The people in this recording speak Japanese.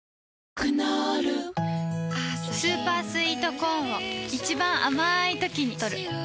クノールスーパースイートコーンを一番あまいときにとる